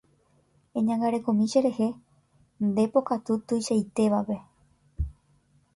Eñangarekomi cherehe nde pokatu tuichaitévape.